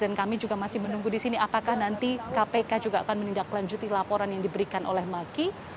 dan kami juga masih menunggu di sini apakah nanti kpk juga akan menindaklanjuti laporan yang diberikan oleh maki